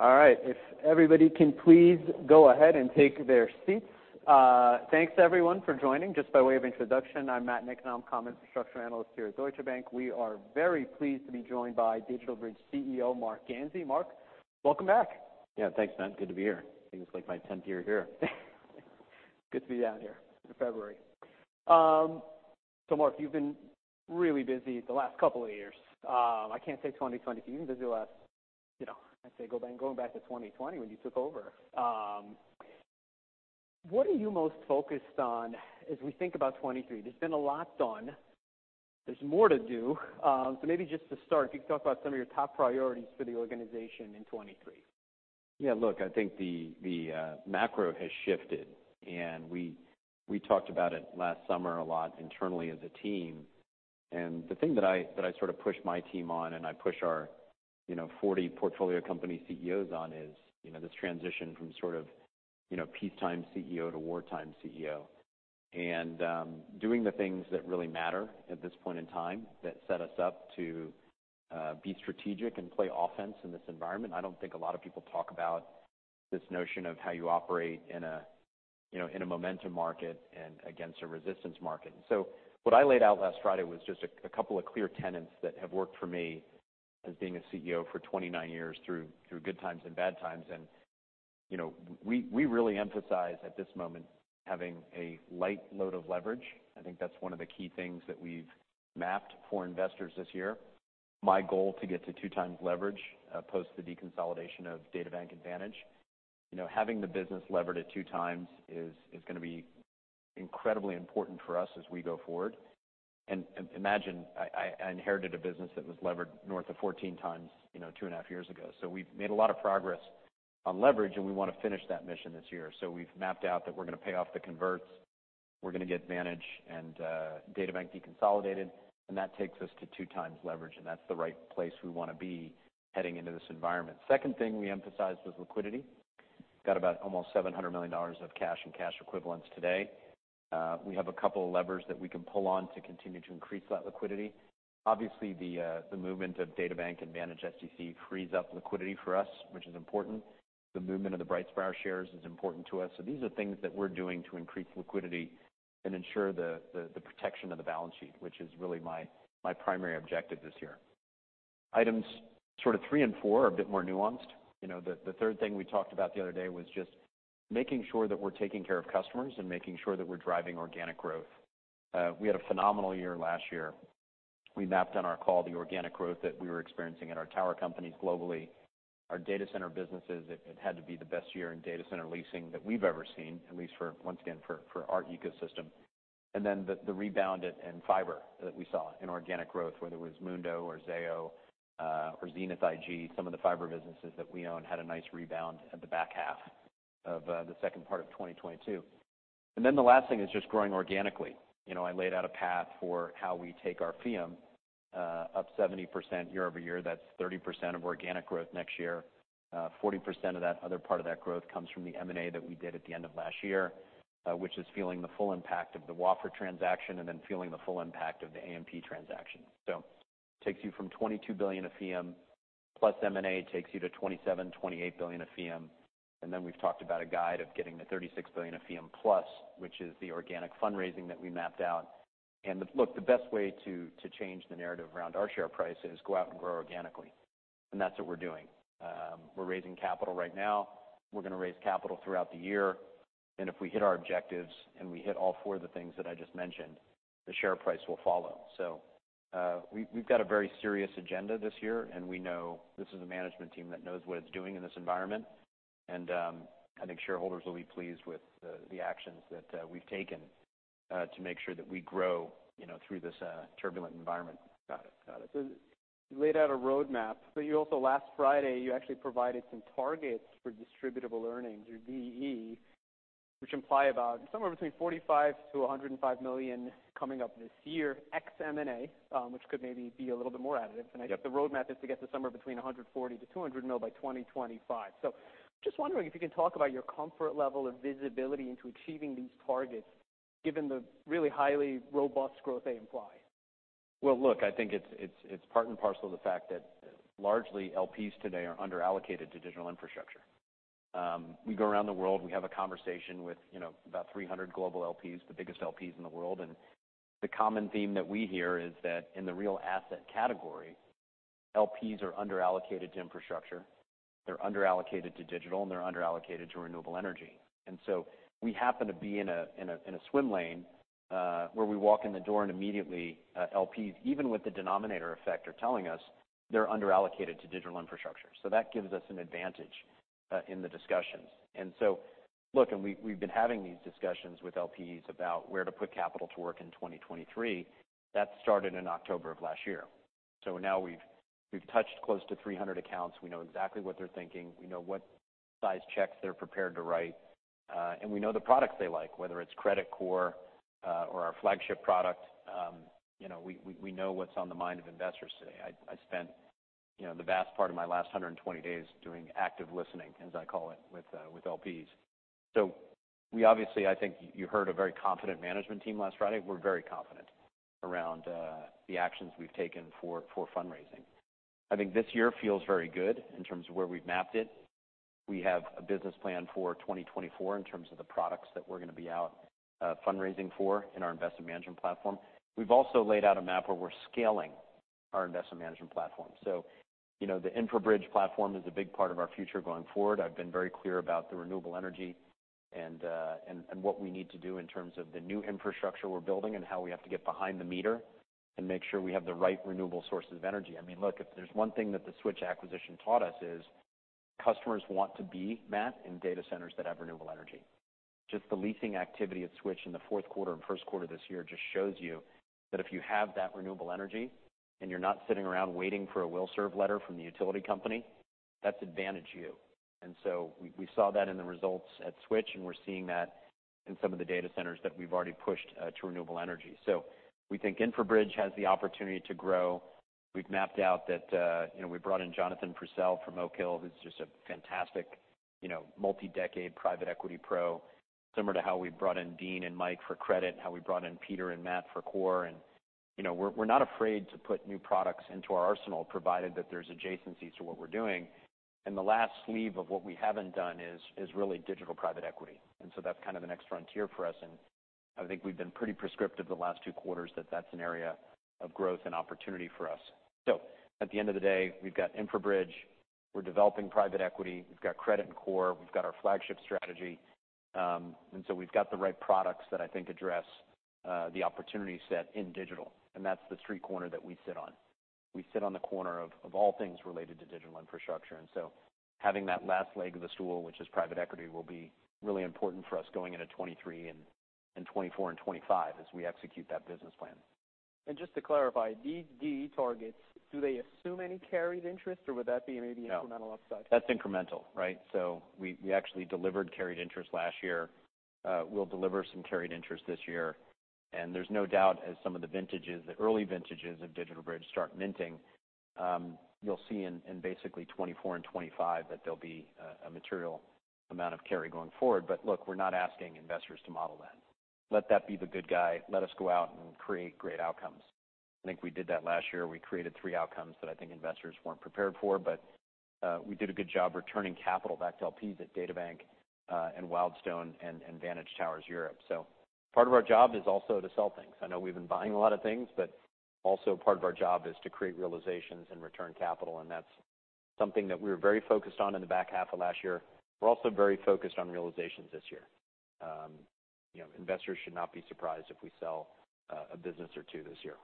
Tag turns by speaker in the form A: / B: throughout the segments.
A: All right. If everybody can please go ahead and take their seats. Thanks everyone for joining. Just by way of introduction, I'm Matt Niknam, Communications Infrastructure Analyst here at Deutsche Bank. We are very pleased to be joined by DigitalBridge CEO, Marc Ganzi. Marc, welcome back.
B: Yeah, thanks, Matt. Good to be here. I think it's like my tenth year here.
A: Good to be down here in February. Marc, you've been really busy the last couple of years. I can't say 2020. You've been busy the last, you know, going back to 2020 when you took over. What are you most focused on as we think about 2023? There's been a lot done. There's more to do. Maybe just to start, can you talk about some of your top priorities for the organization in 2023?
B: Yeah. Look, I think the macro has shifted. We talked about it last summer a lot internally as a team. The thing that I sort of push my team on and I push our, you know, 40 portfolio company CEOs on is, you know, this transition from sort of, you know, peacetime CEO to wartime CEO. Doing the things that really matter at this point in time that set us up to be strategic and play offense in this environment. I don't think a lot of people talk about this notion of how you operate in a, you know, in a momentum market and against a resistance market. What I laid out last Friday was just a couple of clear tenets that have worked for me as being a CEO for 29 years through good times and bad times. You know, we really emphasize at this moment having a light load of leverage. I think that's one of the key things that we've mapped for investors this year. My goal to get to 2 times leverage post the deconsolidation of DataBank and Vantage. You know, having the business levered at 2 times is gonna be incredibly important for us as we go forward. Imagine I inherited a business that was levered north of 14 times, you know, two and a half years ago. We've made a lot of progress on leverage, and we wanna finish that mission this year. We've mapped out that we're gonna pay off the converts. We're gonna get Vantage and DataBank deconsolidated, and that takes us to 2 times leverage, and that's the right place we wanna be heading into this environment. Second thing we emphasized was liquidity. Got about almost $700 million of cash and cash equivalents today. We have a couple of levers that we can pull on to continue to increase that liquidity. Obviously, the movement of DataBank and Vantage SDC frees up liquidity for us, which is important. The movement of the BrightSpire shares is important to us. These are things that we're doing to increase liquidity and ensure the protection of the balance sheet, which is really my primary objective this year. Items sort of 3 and 4 are a bit more nuanced. You know, the third thing we talked about the other day was just making sure that we're taking care of customers and making sure that we're driving organic growth. We had a phenomenal year last year. We mapped on our call the organic growth that we were experiencing at our tower companies globally. Our data center businesses, it had to be the best year in data center leasing that we've ever seen, at least for, once again, for our ecosystem. The, the rebound in fiber that we saw in organic growth, whether it was Mundo or Zayo, or XenithIG, some of the fiber businesses that we own had a nice rebound at the back half of the second part of 2022. The last thing is just growing organically. You know, I laid out a path for how we take our FEEM, up 70% year-over-year. That's 30% of organic growth next year. 40% of that other part of that growth comes from the M&A that we did at the end of last year, which is feeling the full impact of the Wafra transaction and then feeling the full impact of the AMP transaction. takes you from $22 billion of FEEM, plus M&A takes you to $27 billion-$28 billion of FEEM. we've talked about a guide of getting to $36 billion of FEEM plus, which is the organic fundraising that we mapped out. look, the best way to change the narrative around our share price is go out and grow organically, and that's what we're doing. We're raising capital right now. We're going to raise capital throughout the year. If we hit our objectives and we hit all four of the things that I just mentioned, the share price will follow. We've got a very serious agenda this year, and we know this is a management team that knows what it's doing in this environment. I think shareholders will be pleased with the actions that we've taken to make sure that we grow, you know, through this turbulent environment.
A: Got it. Got it. You laid out a roadmap, but you also last Friday, you actually provided some targets for distributable earnings or DE, which imply about somewhere between $45 million-$105 million coming up this year, ex M&A, which could maybe be a little bit more additive.
B: Yep.
A: I guess the roadmap is to get to somewhere between $140 million-$200 million by 2025. Just wondering if you can talk about your comfort level of visibility into achieving these targets given the really highly robust growth they imply.
B: Well, look, I think it's part and parcel of the fact that largely LPs today are under-allocated to digital infrastructure. We go around the world, we have a conversation with, you know, about 300 global LPs, the biggest LPs in the world. The common theme that we hear is that in the real asset category, LPs are under-allocated to infrastructure, they're under-allocated to digital, and they're under-allocated to renewable energy. We happen to be in a swim lane where we walk in the door and immediately LPs, even with the denominator effect, are telling us they're under-allocated to digital infrastructure. That gives us an advantage in the discussions. Look, and we've been having these discussions with LPs about where to put capital to work in 2023. That started in October of last year. Now we've touched close to 300 accounts. We know exactly what they're thinking. We know what size checks they're prepared to write. And we know the products they like, whether it's Credit Core or our flagship product. you know, we know what's on the mind of investors today. I spent, you know, the vast part of my last 120 days doing active listening, as I call it, with LPs. We obviously I think you heard a very confident management team last Friday. We're very confident. Around the actions we've taken for fundraising. I think this year feels very good in terms of where we've mapped it. We have a business plan for 2024 in terms of the products that we're gonna be out, fundraising for in our investment management platform. We've also laid out a map where we're scaling our investment management platform. You know, the InfraBridge platform is a big part of our future going forward. I've been very clear about the renewable energy and what we need to do in terms of the new infrastructure we're building and how we have to get behind-the-meter and make sure we have the right renewable sources of energy. I mean, look, if there's one thing that the Switch acquisition taught us is customers want to be met in data centers that have renewable energy. Just the leasing activity at Switch in the fourth quarter and first quarter this year just shows you that if you have that renewable energy and you're not sitting around waiting for a will-serve letter from the utility company, that's advantage you. We saw that in the results at Switch, and we're seeing that in some of the data centers that we've already pushed to renewable energy. We think InfraBridge has the opportunity to grow. We've mapped out that, you know, we brought in Jonathan Schildkraut from Oak Hill, who's just a fantastic, you know, multi-decade private equity pro, similar to how we brought in Dean and Mike for credit and how we brought in Peter and Matt for core. You know, we're not afraid to put new products into our arsenal, provided that there's adjacencies to what we're doing. The last sleeve of what we haven't done is really digital private equity. That's kind of the next frontier for us. I think we've been pretty prescriptive the last two quarters that that's an area of growth and opportunity for us. At the end of the day, we've got InfraBridge, we're developing private equity, we've got credit and core, we've got our flagship strategy. We've got the right products that I think address the opportunity set in digital, and that's the street corner that we sit on. We sit on the corner of all things related to digital infrastructure, having that last leg of the stool, which is private equity, will be really important for us going into 2023 and 2024 and 2025 as we execute that business plan.
A: Just to clarify, these DE targets, do they assume any carried interest or would that be maybe incremental upside?
B: No. That's incremental, right? We actually delivered carried interest last year. We'll deliver some carried interest this year. There's no doubt as some of the vintages, the early vintages of DigitalBridge start minting, you'll see basically 2024 and 2025 that there'll be a material amount of carry going forward. Look, we're not asking investors to model that. Let that be the good guy. Let us go out and create great outcomes. I think we did that last year. We created three outcomes that I think investors weren't prepared for, we did a good job returning capital back to LPs at DataBank, and Wildstone and Vantage Towers Europe. Part of our job is also to sell things. I know we've been buying a lot of things, but also part of our job is to create realizations and return capital, and that's something that we were very focused on in the back half of last year. We're also very focused on realizations this year. You know, investors should not be surprised if we sell a business or two this year.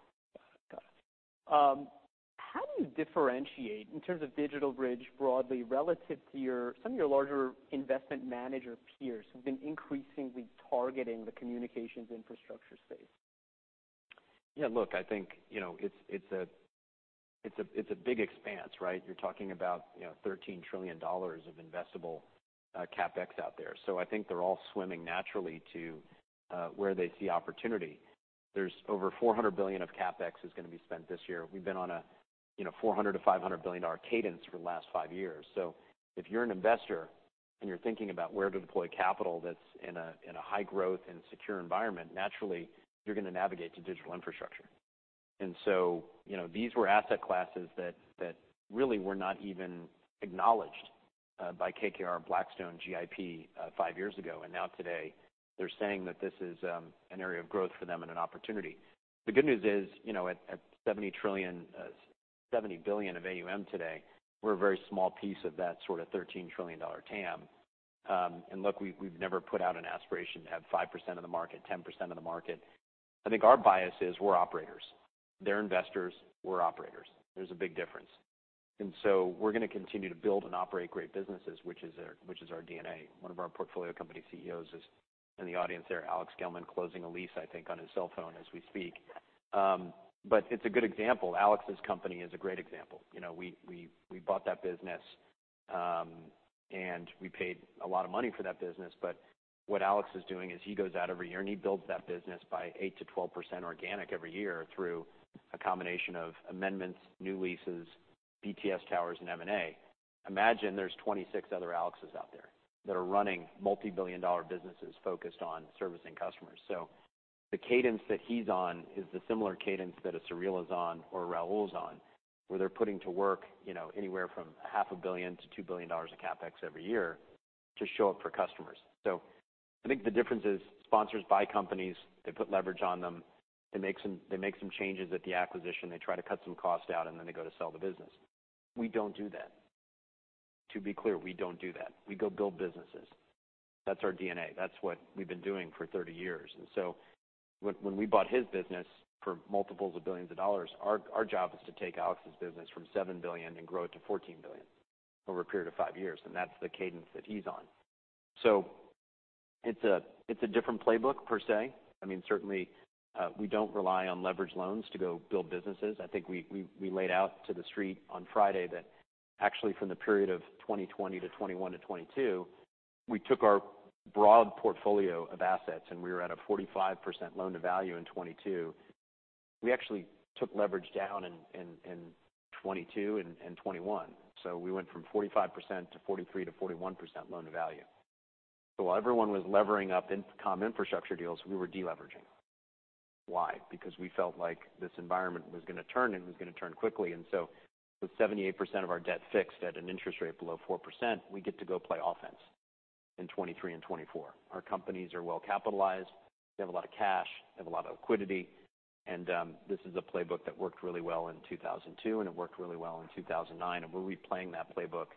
A: Got it. How do you differentiate in terms of DigitalBridge broadly relative to some of your larger investment manager peers who've been increasingly targeting the communications infrastructure space?
B: Yeah, look, I think, you know, it's a big expanse, right? You're talking about, you know, $13 trillion of investable CapEx out there. I think they're all swimming naturally to where they see opportunity. There's over $400 billion of CapEx is gonna be spent this year. We've been on a, you know, $400 billion-$500 billion cadence for the last 5 years. If you're an investor and you're thinking about where to deploy capital that's in a, in a high growth and secure environment, naturally you're gonna navigate to digital infrastructure. You know, these were asset classes that really were not even acknowledged by KKR, Blackstone, GIP 5 years ago. Now today they're saying that this is an area of growth for them and an opportunity. The good news is, you know, at $70 billion of AUM today, we're a very small piece of that sort of $13 trillion TAM. Look, we've never put out an aspiration to have 5% of the market, 10% of the market. I think our bias is we're operators. They're investors, we're operators. There's a big difference. We're gonna continue to build and operate great businesses, which is our, which is our DNA. One of our portfolio company CEOs is in the audience there, Alex Gellman, closing a lease, I think, on his cell phone as we speak. It's a good example. Alex's company is a great example. You know, we bought that business, and we paid a lot of money for that business. What Alex is doing is he goes out every year and he builds that business by 8%-12% organic every year through a combination of amendments, new leases, BTS towers, and M&A. Imagine there's 26 other Alexes out there that are running multi-billion dollar businesses focused on servicing customers. The cadence that he's on is the similar cadence that a Sureel is on or a Raul is on, where they're putting to work, you know, anywhere from a half a billion to $2 billion of CapEx every year to show up for customers. I think the difference is sponsors buy companies, they put leverage on them, they make some changes at the acquisition, they try to cut some costs down, and then they go to sell the business. We don't do that. To be clear, we don't do that. We go build businesses. That's our DNA. That's what we've been doing for 30 years. When we bought his business for multiples of billions of dollars, our job was to take Alex's business from $7 billion and grow it to $14 billion over a period of 5 years, that's the cadence that he's on. It's a different playbook per se. I mean, certainly, we don't rely on leverage loans to go build businesses. I think we laid out to the street on Friday that actually from the period of 2020 to 2021 to 2022, we took our broad portfolio of assets and we were at a 45% loan-to-value in 2022. We actually took leverage down in 2022 and 2021. We went from 45% to 43 to 41% loan-to-value. While everyone was levering up in com infrastructure deals, we were de-leveraging. Why? Because we felt like this environment was gonna turn and was gonna turn quickly. With 78% of our debt fixed at an interest rate below 4%, we get to go play offense in 2023 and 2024. Our companies are well capitalized. We have a lot of cash, we have a lot of liquidity. This is a playbook that worked really well in 2002, and it worked really well in 2009. We're replaying that playbook,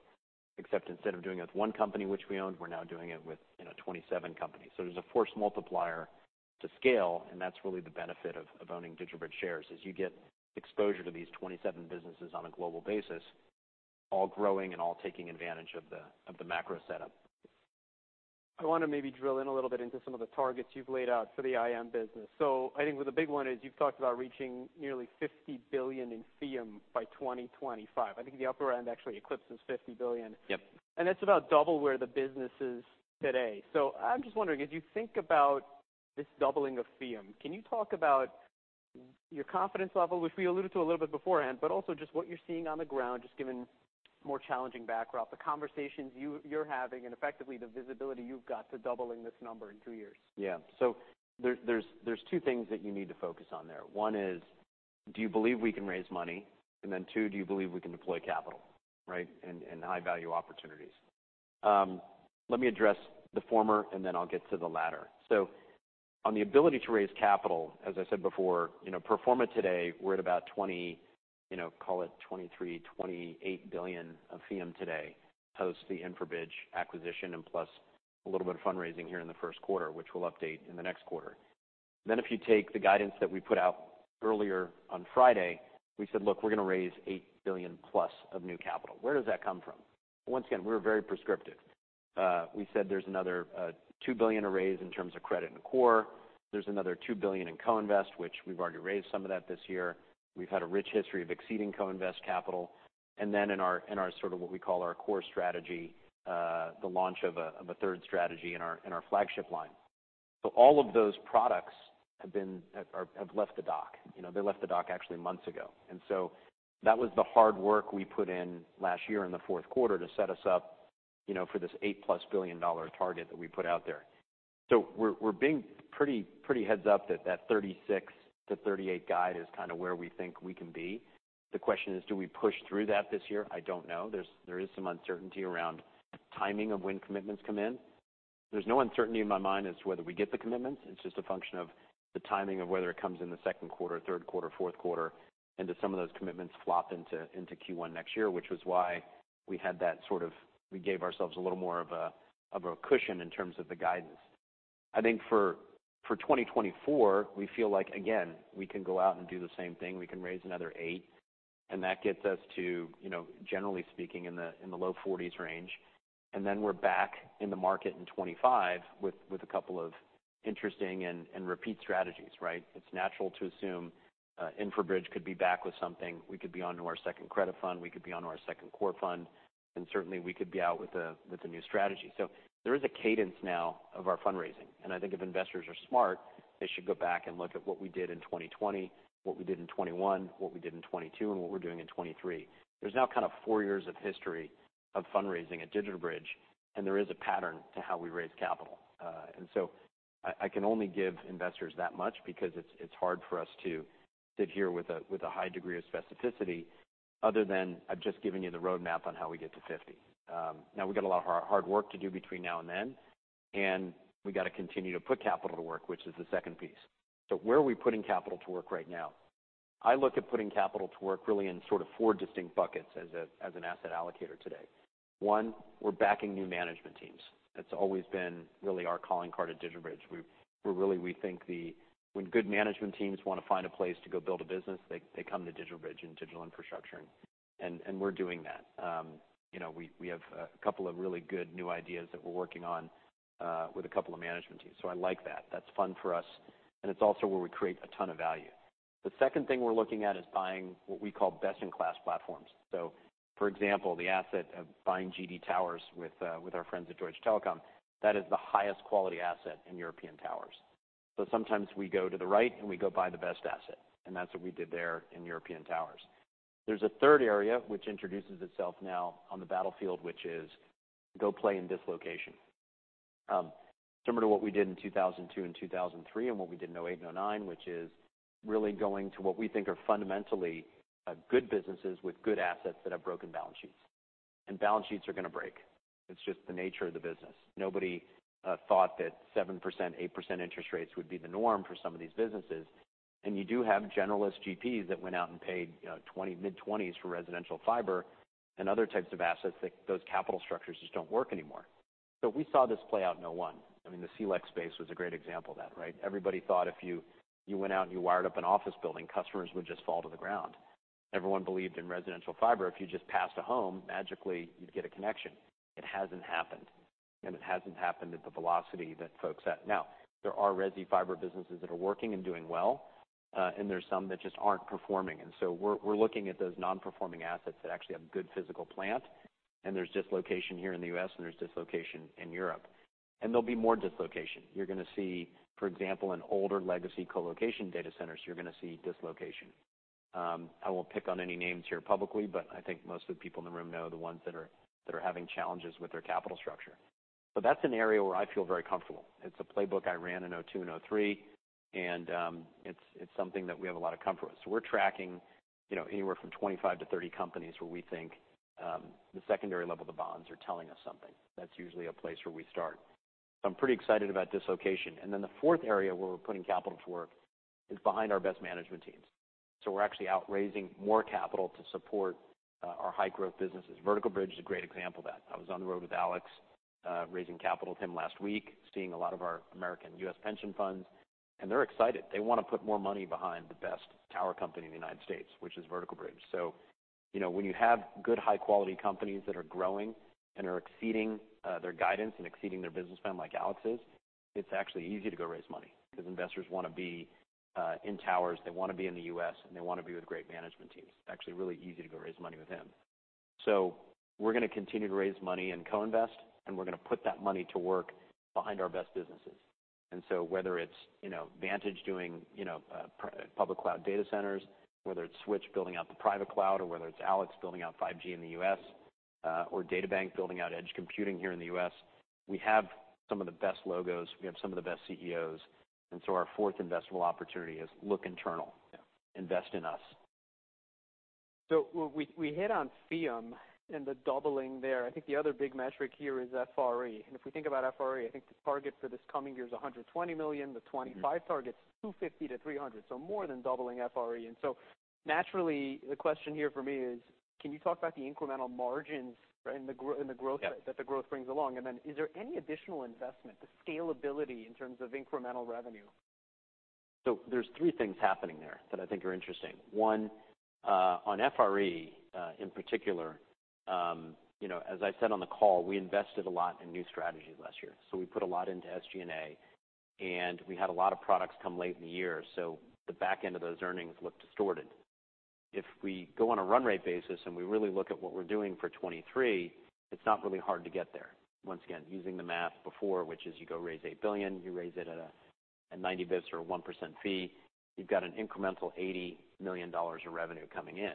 B: except instead of doing it with one company, which we owned, we're now doing it with, you know, 27 companies. There's a force multiplier to scale, and that's really the benefit of owning DigitalBridge shares, is you get exposure to these 27 businesses on a global basis, all growing and all taking advantage of the macro setup.
A: I wanna maybe drill in a little bit into some of the targets you've laid out for the IM business. I think with the big one is you've talked about reaching nearly $50 billion in fee by 2025. I think the upper end actually eclipses $50 billion.
B: Yep.
A: That's about double where the business is today. I'm just wondering, as you think about this doubling of FEEM, can you talk about your confidence level, which we alluded to a little bit beforehand, but also just what you're seeing on the ground, just given more challenging backdrop, the conversations you're having and effectively the visibility you've got to doubling this number in 2 years?
B: Yeah. There's two things that you need to focus on there. One is, do you believe we can raise money? Two, do you believe we can deploy capital, right? In, in high value opportunities. Let me address the former, and then I'll get to the latter. On the ability to raise capital, as I said before, you know, pro forma today, we're at about $20 billion, you know, call it $23 billion-$28 billion of fee today, post the InfraBridge acquisition and plus a little bit of fundraising here in the first quarter, which we'll update in the next quarter. If you take the guidance that we put out earlier on Friday, we said, "Look, we're gonna raise $8 billion+ of new capital. "Where does that come from?" Once again, we're very prescriptive. We said there's another $2 billion to raise in terms of credit and core. There's another $2 billion in co-invest, which we've already raised some of that this year. We've had a rich history of exceeding co-invest capital. In our, in our sort of what we call our core strategy, the launch of a, of a third strategy in our, in our flagship line. All of those products have left the dock. You know, they left the dock actually months ago. That was the hard work we put in last year in the fourth quarter to set us up, you know, for this $8+ billion target that we put out there. We're, we're being pretty heads up that that $36-$38 guide is kinda where we think we can be. The question is, do we push through that this year? I don't know. There is some uncertainty around timing of when commitments come in. There's no uncertainty in my mind as to whether we get the commitments. It's just a function of the timing of whether it comes in the second quarter, third quarter, fourth quarter, and do some of those commitments flop into Q1 next year, which was why we had that sort of. We gave ourselves a little more of a cushion in terms of the guidance. I think for 2024, we feel like, again, we can go out and do the same thing. We can raise another $8 billion, and that gets us to, you know, generally speaking in the low $40 billion range. We're back in the market in 2025 with a couple of interesting and repeat strategies, right? It's natural to assume, InfraBridge could be back with something. We could be onto our second credit fund, we could be onto our second core fund, and certainly we could be out with a new strategy. There is a cadence now of our fundraising. I think if investors are smart, they should go back and look at what we did in 2020, what we did in 2021, what we did in 2022, and what we're doing in 2023. There's now kind of four years of history of fundraising at DigitalBridge, and there is a pattern to how we raise capital. I can only give investors that much because it's hard for us to sit here with a high degree of specificity other than I've just given you the roadmap on how we get to 50. We've got a lot of hard work to do between now and then, and we gotta continue to put capital to work, which is the second piece. Where are we putting capital to work right now? I look at putting capital to work really in sort of four distinct buckets as an asset allocator today. One, we're backing new management teams. That's always been really our calling card at DigitalBridge. We're really, we think when good management teams wanna find a place to go build a business, they come to DigitalBridge and digital infrastructure, and we're doing that. You know, we have a couple of really good new ideas that we're working on with a couple of management teams. I like that. That's fun for us, and it's also where we create a ton of value. The second thing we're looking at is buying what we call best-in-class platforms. For example, the asset of buying GD Towers with our friends at Deutsche Telekom, that is the highest quality asset in European Towers. Sometimes we go to the right and we go buy the best asset, and that's what we did there in European Towers. There's a third area which introduces itself now on the battlefield, which is go play in this location. Similar to what we did in 2002 and 2003 and what we did in 2008, 2009, which is really going to what we think are fundamentally good businesses with good assets that have broken balance sheets. Balance sheets are gonna break. It's just the nature of the business. Nobody thought that 7%, 8% interest rates would be the norm for some of these businesses. You do have generalist GPs that went out and paid, you know, 20, mid-20s for residential fiber and other types of assets that those capital structures just don't work anymore. We saw this play out in 2001. I mean, the CLEC space was a great example of that, right? Everybody thought if you went out and you wired up an office building, customers would just fall to the ground. Everyone believed in residential fiber. If you just passed a home, magically you'd get a connection. It hasn't happened, and it hasn't happened at the velocity that folks at... Now, there are resi fiber businesses that are working and doing well, and there's some that just aren't performing. We're looking at those non-performing assets that actually have good physical plant, and there's dislocation here in the U.S., and there's dislocation in Europe. There'll be more dislocation. You're gonna see, for example, in older legacy colocation data centers, you're gonna see dislocation. I won't pick on any names here publicly, but I think most of the people in the room know the ones that are having challenges with their capital structure. So that's an area where I feel very comfortable. It's a playbook I ran in 2002 and 2003, it's something that we have a lot of comfort with. We're tracking, you know, anywhere from 25 to 30 companies where we think the secondary level of the bonds are telling us something. That's usually a place where we start. I'm pretty excited about dislocation. The fourth area where we're putting capital to work is behind our best management teams. We're actually out raising more capital to support our high-growth businesses. Vertical Bridge is a great example of that. I was on the road with Alex raising capital with him last week, seeing a lot of our American U.S. pension funds, and they're excited. They wanna put more money behind the best tower company in the United States, which is Vertical Bridge. You know, when you have good high-quality companies that are growing and are exceeding their guidance and exceeding their business plan like Alex's, it's actually easy to go raise money 'cause investors wanna be in towers, they wanna be in the U.S., and they wanna be with great management teams. It's actually really easy to go raise money with him. We're gonna continue to raise money and co-invest, and we're gonna put that money to work behind our best businesses. Whether it's, you know, Vantage doing, you know, public cloud data centers, whether it's Switch building out the private cloud, or whether it's Alex building out 5G in the U.S., or DataBank building out edge computing here in the U.S., we have some of the best logos, we have some of the best CEOs, and so our fourth investable opportunity is look internal.
A: Yeah.
B: Invest in us.
A: We hit on AUM and the doubling there. I think the other big metric here is FRE. If we think about FRE, I think the target for this coming year is $120 million.
B: Mm-hmm.
A: The '25 target's $250-$300, so more than doubling FRE. Naturally, the question here for me is, can you talk about the incremental margins?
B: Yeah...
A: and the growth that the growth brings along? Is there any additional investment, the scalability in terms of incremental revenue?
B: There's three things happening there that I think are interesting. One, on FRE, in particular, you know, as I said on the call, we invested a lot in new strategies last year. We put a lot into SG&A, and we had a lot of products come late in the year, so the back end of those earnings look distorted. If we go on a run rate basis and we really look at what we're doing for 2023, it's not really hard to get there. Once again, using the math before, which is you go raise $8 billion, you raise it at a, at 90 bits or a 1% fee, you've got an incremental $80 million of revenue coming in.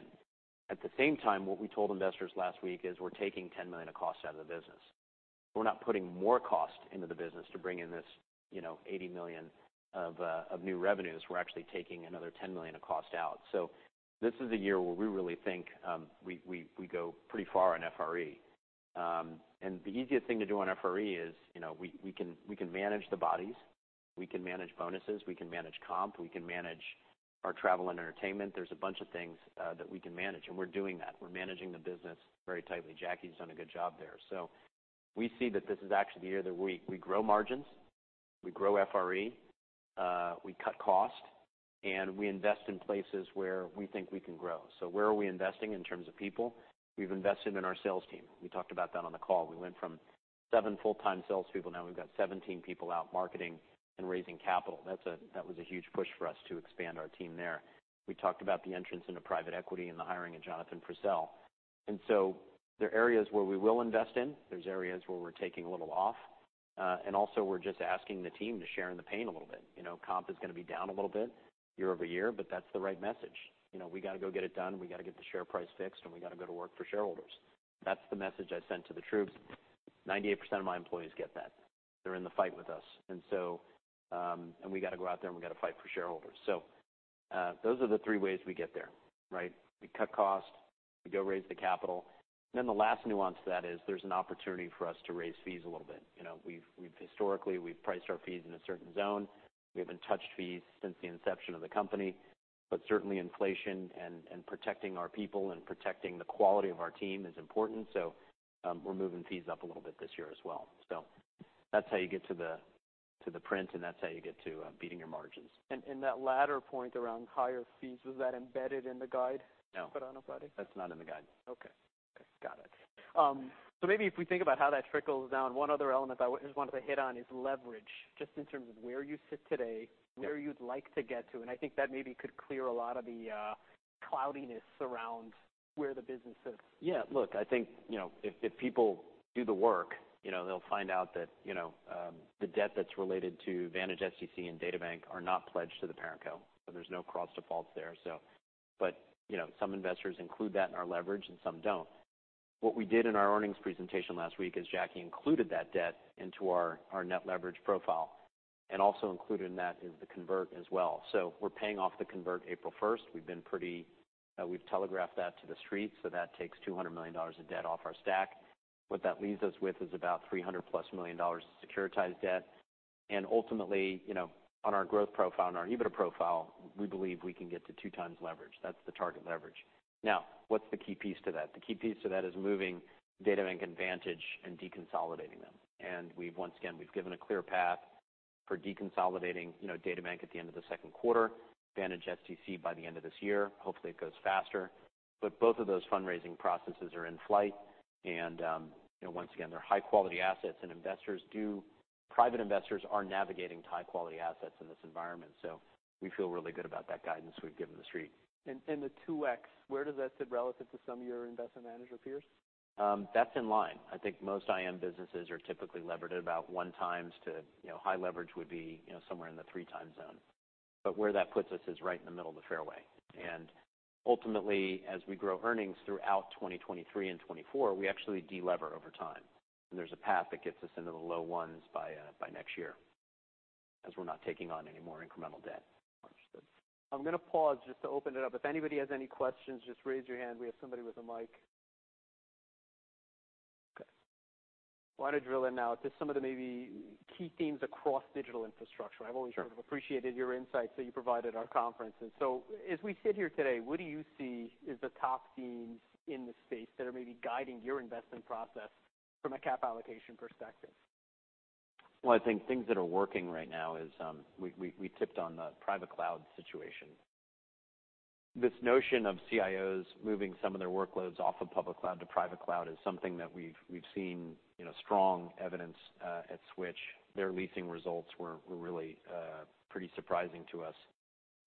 B: At the same time, what we told investors last week is we're taking $10 million of costs out of the business. We're not putting more cost into the business to bring in this, you know, $80 million of new revenues. We're actually taking another $10 million of cost out. This is a year where we really think we go pretty far on FRE. The easiest thing to do on FRE is, you know, we can manage the bodies, we can manage bonuses, we can manage comp, we can manage our travel and entertainment. There's a bunch of things that we can manage, and we're doing that. We're managing the business very tightly. Jackie's done a good job there. We see that this is actually the year that we grow margins, we grow FRE, we cut cost, and we invest in places where we think we can grow. Where are we investing in terms of people? We've invested in our sales team. We talked about that on the call. We went from seven full-time salespeople, now we've got 17 people out marketing and raising capital. That was a huge push for us to expand our team there. We talked about the entrance into private equity and the hiring of Jonathan Schildkraut. There are areas where we will invest in, there's areas where we're taking a little off, and also we're just asking the team to share in the pain a little bit. You know, comp is gonna be down a little bit year-over-year, but that's the right message. You know, we gotta go get it done, we gotta get the share price fixed, and we gotta go to work for shareholders. That's the message I sent to the troops. 98% of my employees get that. They're in the fight with us. We gotta go out there and we gotta fight for shareholders. Those are the three ways we get there, right? We cut cost, we go raise the capital. The last nuance to that is there's an opportunity for us to raise fees a little bit. You know, we've historically, we've priced our fees in a certain zone. We haven't touched fees since the inception of the company, but certainly inflation and protecting our people and protecting the quality of our team is important. We're moving fees up a little bit this year as well. That's how you get to the, to the print, and that's how you get to beating your margins.
A: That latter point around higher fees, was that embedded in the guide-?
B: No
A: For everybody?
B: That's not in the guide.
A: Okay. Okay, got it. Maybe if we think about how that trickles down, one other element I just wanted to hit on is leverage, just in terms of where you sit today-
B: Yeah...
A: where you'd like to get to. I think that maybe could clear a lot of the cloudiness around where the business sits.
B: Look, I think, you know, if people do the work, you know, they'll find out that, you know, the debt that's related to Vantage SDC and DataBank are not pledged to the parent co, so there's no cross defaults there, so. Some investors include that in our leverage and some don't. What we did in our earnings presentation last week is Jackie included that debt into our net leverage profile, and also included in that is the convert as well. We're paying off the convert April first. We've telegraphed that to the street, so that takes $200 million of debt off our stack. What that leaves us with is about $300-plus million of securitized debt. Ultimately, you know, on our growth profile and our EBITDA profile, we believe we can get to 2 times leverage. That's the target leverage. What's the key piece to that? The key piece to that is moving DataBank and Vantage and deconsolidating them. We've once again given a clear path for deconsolidating, you know, DataBank at the end of the second quarter, Vantage SDC by the end of this year. Hopefully, it goes faster. Both of those fundraising processes are in flight, you know, once again, they're high-quality assets and Private investors are navigating to high-quality assets in this environment. We feel really good about that guidance we've given the street.
A: The 2x, where does that sit relative to some of your investment manager peers?
B: That's in line. I think most IM businesses are typically levered at about 1x to, you know, high leverage would be, you know, somewhere in the 3x zone. Where that puts us is right in the middle of the fairway. Ultimately, as we grow earnings throughout 2023 and 2024, we actually de-lever over time. There's a path that gets us into the low 1s by next year, as we're not taking on any more incremental debt much.
A: I'm gonna pause just to open it up. If anybody has any questions, just raise your hand. We have somebody with a mic. Want to drill in now to some of the maybe key themes across digital infrastructure.
B: Sure.
A: I've always sort of appreciated your insights that you provide at our conferences. As we sit here today, what do you see is the top themes in the space that are maybe guiding your investment process from a cap allocation perspective?
B: Well, I think things that are working right now is, we tipped on the private cloud situation. This notion of CIOs moving some of their workloads off of public cloud to private cloud is something that we've seen, you know, strong evidence at Switch. Their leasing results were really pretty surprising to us.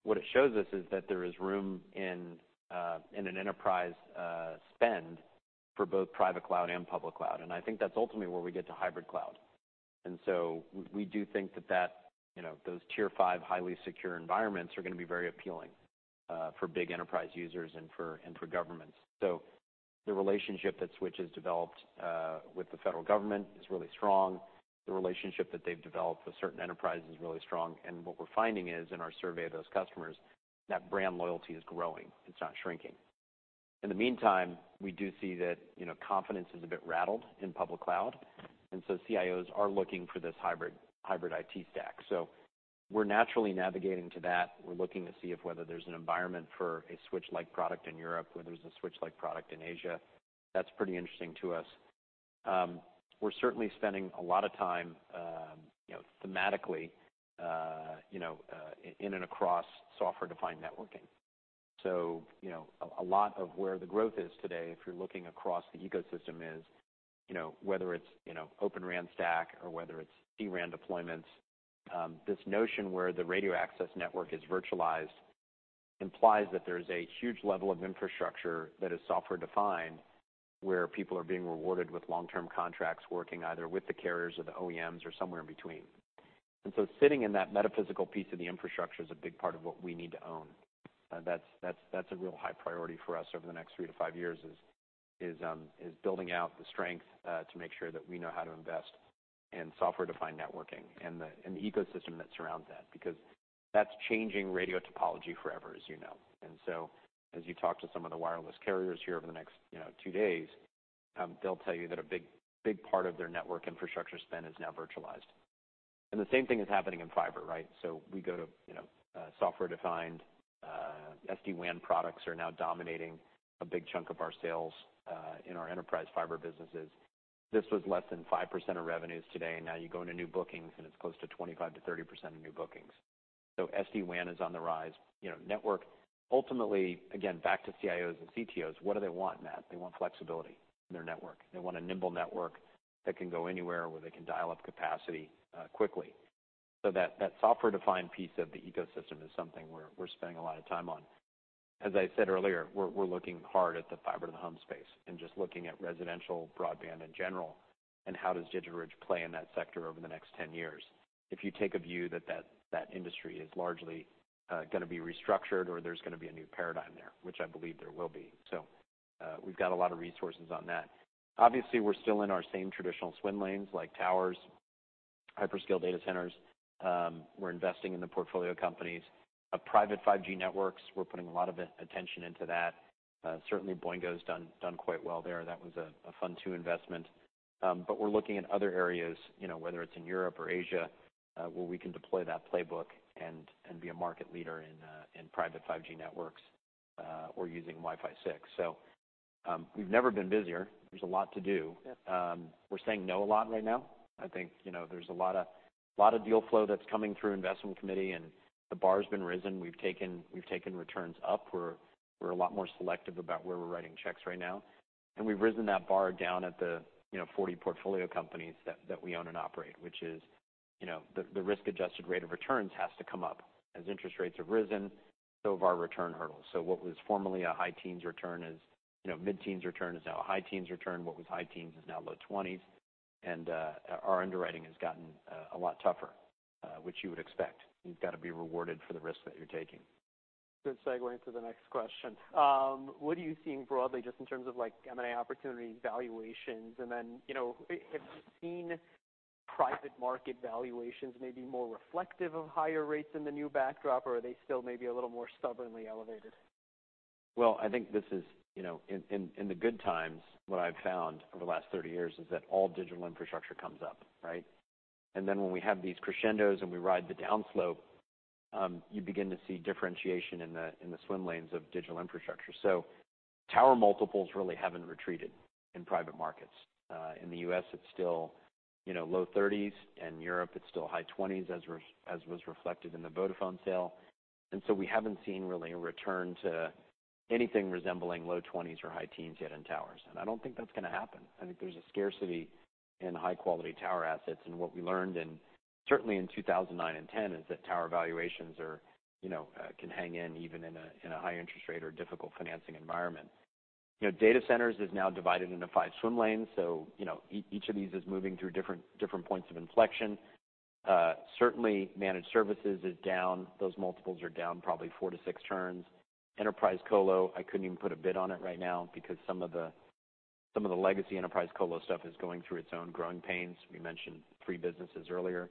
B: What it shows us is that there is room in an enterprise spend for both private cloud and public cloud, and I think that's ultimately where we get to hybrid cloud. We do think that that, you know, those tier 5 highly secure environments are gonna be very appealing for big enterprise users and for, and for governments. The relationship that Switch has developed with the federal government is really strong. The relationship that they've developed with certain enterprises is really strong. What we're finding is, in our survey of those customers, that brand loyalty is growing. It's not shrinking. In the meantime, we do see that, you know, confidence is a bit rattled in public cloud, CIOs are looking for this hybrid IT stack. We're naturally navigating to that. We're looking to see if whether there's an environment for a Switch-like product in Europe, whether there's a Switch-like product in Asia. That's pretty interesting to us. We're certainly spending a lot of time, you know, thematically, you know, in and across software-defined networking. you know, a lot of where the growth is today, if you're looking across the ecosystem is, you know, whether it's, you know, Open RAN stack or whether it's DRAN deployments, this notion where the radio access network is virtualized implies that there's a huge level of infrastructure that is software defined, where people are being rewarded with long-term contracts working either with the carriers or the OEMs or somewhere in between. Sitting in that metaphysical piece of the infrastructure is a big part of what we need to own. That's a real high priority for us over the next 3-5 years is building out the strength to make sure that we know how to invest in software-defined networking and the ecosystem that surrounds that, because that's changing radio topology forever, as you know. As you talk to some of the wireless carriers here over the next, you know, two days, they'll tell you that a big, big part of their network infrastructure spend is now virtualized. The same thing is happening in fiber, right? We go to, you know, software-defined SD-WAN products are now dominating a big chunk of our sales in our enterprise fiber businesses. This was less than 5% of revenues today, and now you go into new bookings, and it's close to 25%-30% of new bookings. SD-WAN is on the rise. You know, network ultimately, again, back to CIOs and CTOs, what do they want, Matt? They want flexibility in their network. They want a nimble network that can go anywhere where they can dial up capacity quickly. That software-defined piece of the ecosystem is something we're spending a lot of time on. As I said earlier, we're looking hard at the fiber-to-the-home space and just looking at residential broadband in general and how does DigitalBridge play in that sector over the next 10 years if you take a view that that industry is largely gonna be restructured or there's gonna be a new paradigm there, which I believe there will be. We've got a lot of resources on that. Obviously, we're still in our same traditional swim lanes like towers, hyperscale data centers. We're investing in the portfolio companies. Private 5G networks, we're putting a lot of attention into that. Certainly Boingo's done quite well there. That was a Fund II investment. We're looking in other areas, you know, whether it's in Europe or Asia, where we can deploy that playbook and be a market leader in private 5G networks or using Wi-Fi 6. We've never been busier. There's a lot to do.
A: Yep.
B: We're saying no a lot right now. I think, you know, there's a lot of deal flow that's coming through investment committee and the bar has been risen. We've taken returns up. We're a lot more selective about where we're writing checks right now. We've risen that bar down at the, you know, 40 portfolio companies that we own and operate, which is, you know, the risk-adjusted rate of returns has to come up. As interest rates have risen, so have our return hurdles. What was formerly a high teens return is, you know, mid-teens return is now a high teens return. What was high teens is now low twenties. Our underwriting has gotten a lot tougher, which you would expect. You've got to be rewarded for the risk that you're taking.
A: Good segue into the next question. What are you seeing broadly just in terms of like M&A opportunity valuations? You know, have you seen private market valuations maybe more reflective of higher rates than the new backdrop, or are they still maybe a little more stubbornly elevated?
B: Well, I think this is, you know, in the good times, what I've found over the last 30 years is that all digital infrastructure comes up, right? When we have these crescendos and we ride the downslope, you begin to see differentiation in the swim lanes of digital infrastructure. Tower multiples really haven't retreated in private markets. In the U.S., it's still, you know, low 30s, and Europe, it's still high 20s, as was reflected in the Vodafone sale. We haven't seen really a return to anything resembling low 20s or high teens yet in towers. I don't think that's gonna happen. I think there's a scarcity in high quality tower assets. What we learned in, certainly in 2009 and 2010, is that tower valuations are, you know, can hang in even in a, in a high interest rate or difficult financing environment. You know, data centers is now divided into 5 swim lanes, so you know, each of these is moving through different points of inflection. Certainly managed services is down. Those multiples are down probably 4-6 turns. Enterprise colo, I couldn't even put a bid on it right now because some of the, some of the legacy enterprise colo stuff is going through its own growing pains. We mentioned 3 businesses earlier.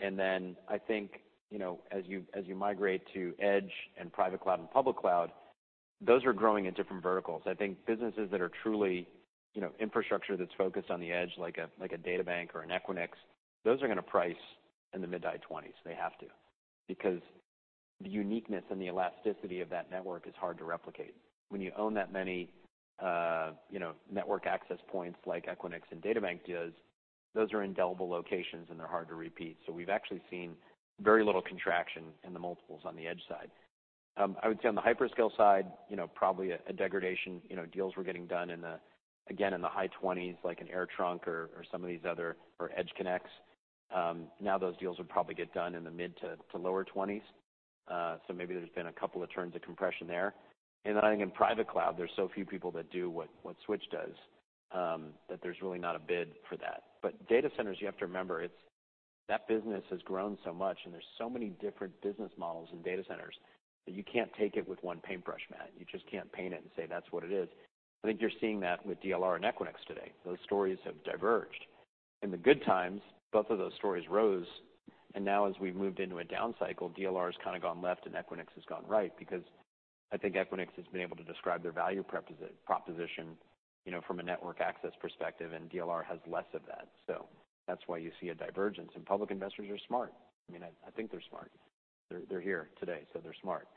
B: Then I think, you know, as you, as you migrate to edge and private cloud and public cloud, those are growing at different verticals. I think businesses that are truly, you know, infrastructure that's focused on the edge, like a DataBank or an Equinix, those are gonna price in the mid-to high 20s. They have to. Because the uniqueness and the elasticity of that network is hard to replicate. When you own that many, you know, network access points like Equinix and DataBank does, those are indelible locations, and they're hard to repeat. We've actually seen very little contraction in the multiples on the edge side. I would say on the hyperscale side, you know, probably a degradation. You know, deals were getting done again, in the high 20s, like an AirTrunk or some of these other Or EdgeConneX. Now those deals would probably get done in the mid-to lower 20s. Maybe there's been a couple of turns of compression there. I think in private cloud, there's so few people that do what Switch does, that there's really not a bid for that. Data centers, you have to remember, that business has grown so much, and there's so many different business models in data centers that you can't take it with one paintbrush, Matt. You just can't paint it and say, "That's what it is." I think you're seeing that with DLR and Equinix today. Those stories have diverged. In the good times, both of those stories rose, and now as we've moved into a down cycle, DLR has kind of gone left and Equinix has gone right, because I think Equinix has been able to describe their value proposition, you know, from a network access perspective, and DLR has less of that. That's why you see a divergence. Public investors are smart. I mean, I think they're smart. They're here today, so they're smart.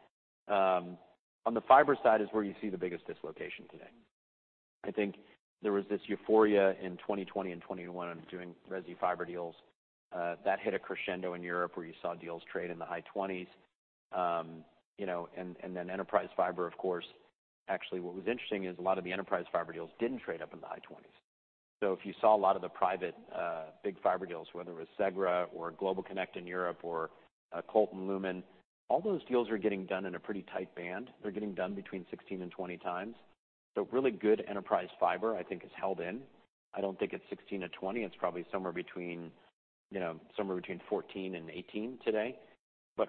B: On the fiber side is where you see the biggest dislocation today. I think there was this euphoria in 2020 and 2021 on doing resi fiber deals. That hit a crescendo in Europe where you saw deals trade in the high 20s. You know, and then enterprise fiber, of course. Actually, what was interesting is a lot of the enterprise fiber deals didn't trade up in the high 20s. If you saw a lot of the private big fiber deals, whether it was Segra or GlobalConnect in Europe or Colt and Lumen, all those deals are getting done in a pretty tight band. They're getting done between 16 and 20 times. Really good enterprise fiber, I think, is held in. I don't think it's 16-20. It's probably somewhere between, you know, somewhere between 14 and 18 today.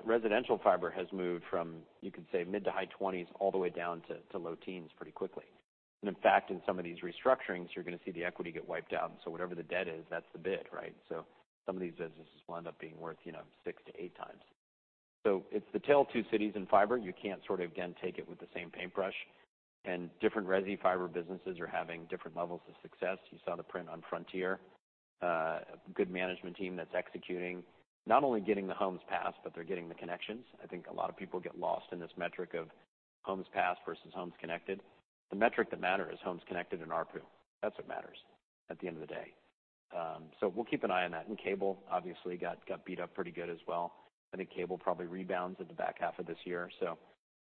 B: Residential fiber has moved from, you could say, mid to high 20s all the way down to low teens pretty quickly. In fact, in some of these restructurings, you're going to see the equity get wiped out. Whatever the debt is, that's the bid, right? Some of these businesses will end up being worth, you know, 6-8 times. It's the Tale of Two Cities in fiber. You can't sort of, again, take it with the same paintbrush. Different resi fiber businesses are having different levels of success. You saw the print on Frontier. A good management team that's executing, not only getting the homes passed, but they're getting the connections. I think a lot of people get lost in this metric of homes passed versus homes connected. The metric that matters is homes connected and ARPU. That's what matters at the end of the day. We'll keep an eye on that. Cable obviously got beat up pretty good as well. I think cable probably rebounds in the back half of this year.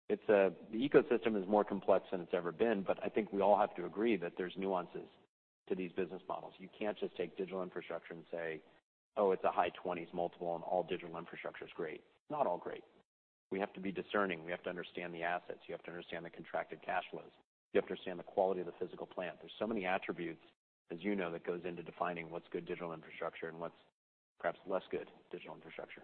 B: It's, the ecosystem is more complex than it's ever been, but I think we all have to agree that there's nuances to these business models. You can't just take digital infrastructure and say, "Oh, it's a high 20s multiple and all digital infrastructure is great." It's not all great. We have to be discerning. We have to understand the assets. You have to understand the contracted cash flows. You have to understand the quality of the physical plant. There's so many attributes, as you know, that goes into defining what's good digital infrastructure and what's perhaps less good digital infrastructure.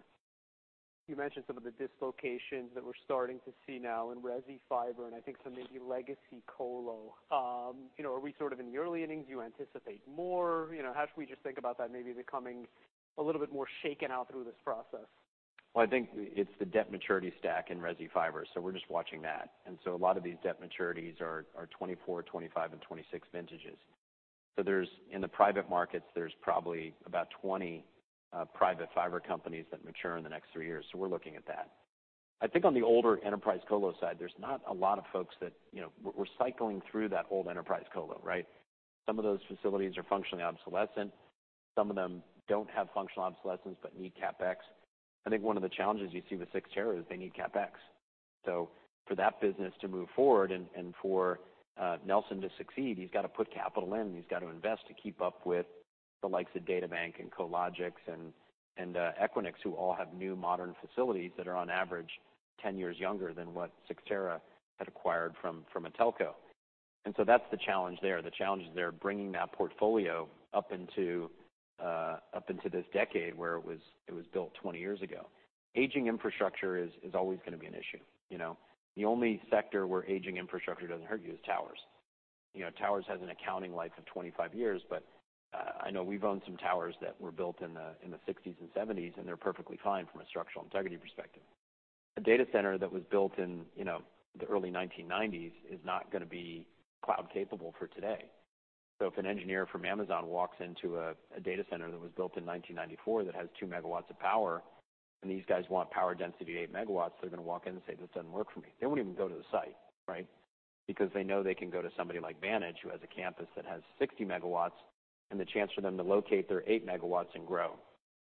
A: You mentioned some of the dislocations that we're starting to see now in resi fiber and I think some maybe legacy colo. You know, are we sort of in the early innings? Do you anticipate more? You know, how should we just think about that maybe becoming a little bit more shaken out through this process?
B: Well, I think it's the debt maturity stack in resi fiber, we're just watching that. A lot of these debt maturities are 2024, 2025, and 2026 vintages. There's in the private markets, there's probably about 20 private fiber companies that mature in the next three years, we're looking at that. I think on the older enterprise colo side, there's not a lot of folks that, you know, we're cycling through that old enterprise colo, right? Some of those facilities are functionally obsolescent. Some of them don't have functional obsolescence but need CapEx. I think one of the challenges you see with Cyxtera is they need CapEx. For that business to move forward and for Nelson to succeed, he's got to put capital in, he's got to invest to keep up with the likes of DataBank and Cologix and Equinix, who all have new modern facilities that are on average 10 years younger than what Cyxtera had acquired from a telco. That's the challenge there. The challenge is they're bringing that portfolio up into this decade where it was built 20 years ago. Aging infrastructure is always gonna be an issue, you know. The only sector where aging infrastructure doesn't hurt you is towers. You know, towers has an accounting life of 25 years, but I know we've owned some towers that were built in the 60s and 70s, and they're perfectly fine from a structural integrity perspective. A data center that was built in, you know, the early 1990s is not gonna be cloud capable for today. If an engineer from Amazon walks into a data center that was built in 1994 that has 2 MW of power, and these guys want power density to 8 MW, they're gonna walk in and say, "This doesn't work for me." They won't even go to the site, right? They know they can go to somebody like Vantage who has a campus that has 60 MW, and the chance for them to locate their 8 MW and grow.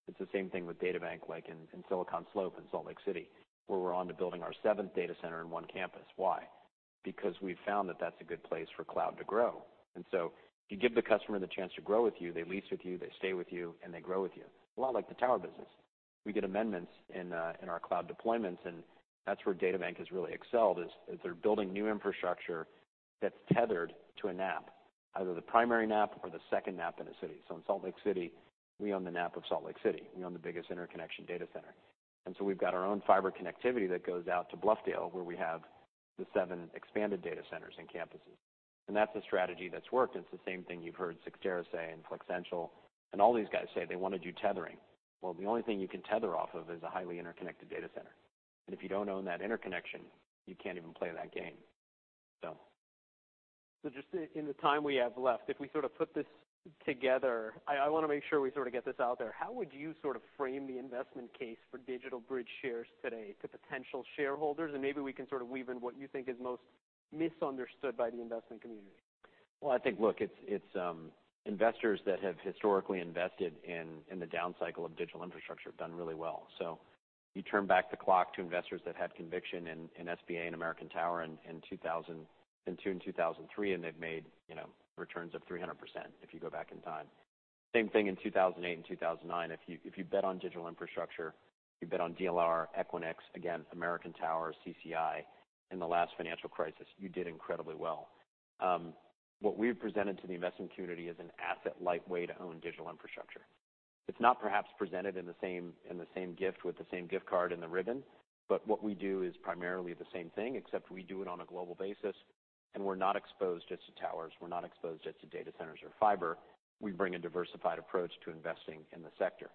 B: It's the same thing with DataBank, like in Silicon Slope in Salt Lake City, where we're onto building our seventh data center in 1 campus. Why? We've found that that's a good place for cloud to grow. You give the customer the chance to grow with you, they lease with you, they stay with you, and they grow with you. A lot like the tower business. We get amendments in in our cloud deployments, and that's where DataBank has really excelled, is they're building new infrastructure that's tethered to a NAP, either the primary NAP or the second NAP in a city. In Salt Lake City, we own the NAP of Salt Lake City. We own the biggest interconnection data center. We've got our own fiber connectivity that goes out to Bluffdale, where we have the seven expanded data centers and campuses. That's a strategy that's worked. It's the same thing you've heard Cyxtera say and Flexential and all these guys say they wanna do tethering. Well, the only thing you can tether off of is a highly interconnected data center. If you don't own that interconnection, you can't even play that game.
A: Just in the time we have left, if we sort of put this together, I wanna make sure we sort of get this out there. How would you sort of frame the investment case for DigitalBridge shares today to potential shareholders? Maybe we can sort of weave in what you think is most misunderstood by the investment community.
B: Well, I think, look, it's investors that have historically invested in the down cycle of digital infrastructure have done really well. You turn back the clock to investors that had conviction in SBA and American Tower in 2002 and 2003, and they've made, you know, returns of 300% if you go back in time. Same thing in 2008 and 2009. If you bet on digital infrastructure, you bet on DLR, Equinix, again, American Tower, CCI, in the last financial crisis, you did incredibly well. What we've presented to the investment community is an asset-light way to own digital infrastructure. It's not perhaps presented in the same, in the same gift with the same gift card and the ribbon, but what we do is primarily the same thing, except we do it on a global basis, and we're not exposed just to towers. We're not exposed just to data centers or fiber. We bring a diversified approach to investing in the sector.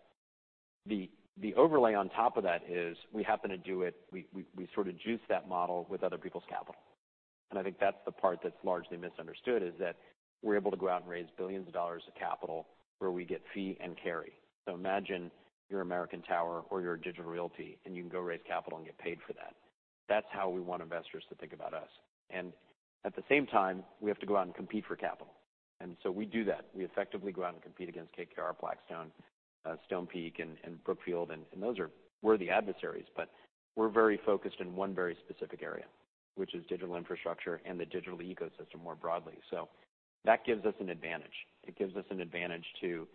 B: The overlay on top of that is we happen to do it. We sort of juice that model with other people's capital. I think that's the part that's largely misunderstood, is that we're able to go out and raise billions of dollars of capital where we get fee and carry. Imagine you're American Tower or you're Digital Realty, and you can go raise capital and get paid for that. That's how we want investors to think about us. At the same time, we have to go out and compete for capital. We do that. We effectively go out and compete against KKR, Blackstone, Stonepeak, and Brookfield, and those are worthy adversaries. We're very focused in one very specific area, which is digital infrastructure and the digital ecosystem more broadly. That gives us an advantage. It gives us an advantage to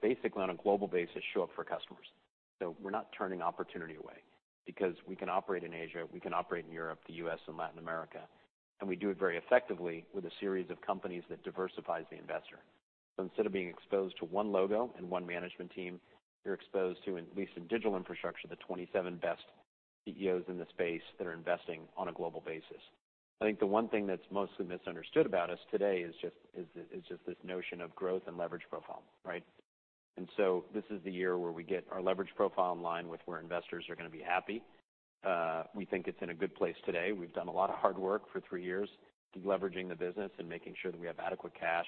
B: basically on a global basis, show up for customers. We're not turning opportunity away because we can operate in Asia, we can operate in Europe, the U.S., and Latin America, and we do it very effectively with a series of companies that diversifies the investor. Instead of being exposed to one logo and one management team, you're exposed to, at least in digital infrastructure, the 27 best CEOs in the space that are investing on a global basis. I think the one thing that's mostly misunderstood about us today is just this notion of growth and leverage profile, right? This is the year where we get our leverage profile in line with where investors are gonna be happy. We think it's in a good place today. We've done a lot of hard work for 3 years, deleveraging the business and making sure that we have adequate cash,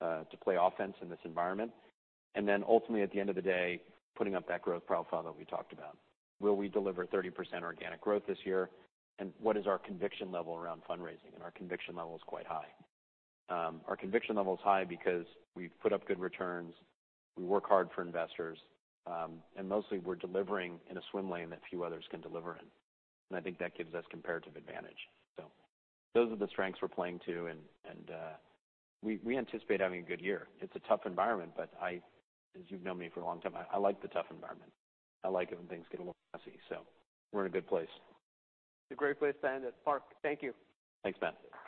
B: to play offense in this environment. Ultimately, at the end of the day, putting up that growth profile that we talked about. Will we deliver 30% organic growth this year? What is our conviction level around fundraising? Our conviction level is quite high. Our conviction level is high because we've put up good returns, we work hard for investors, and mostly we're delivering in a swim lane that few others can deliver in. I think that gives us comparative advantage. Those are the strengths we're playing to, and we anticipate having a good year. It's a tough environment, but as you've known me for a long time, I like the tough environment. I like it when things get a little messy. We're in a good place.
A: It's a great place to end it. Marc, thank you.
B: Thanks, Matt.